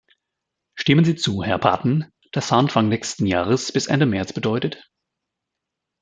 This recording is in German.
Stimmen Sie zu, Herr Patten, dass Anfang nächsten Jahres bis Ende März bedeutet?